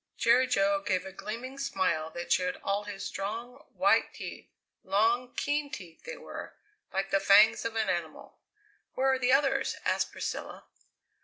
Jerry Jo gave a gleaming smile that showed all his strong, white teeth long, keen teeth they were, like the fangs of an animal. "Where are the others?" asked Priscilla.